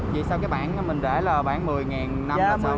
vậy sao cái bản mình để là bản một mươi năm là sao